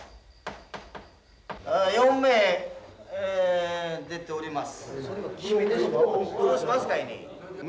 ４名出ております。